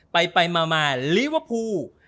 ไปมาลีเวอร์ฟู